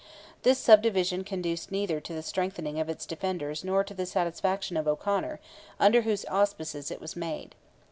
This subdivision conduced neither to the strengthening of its defenders nor to the satisfaction of O'Conor, under whose auspices it was made.